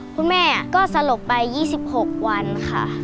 คุณแม่ก็สลบไป๒๖วันค่ะ